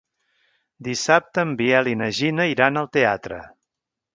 Dissabte en Biel i na Gina iran al teatre.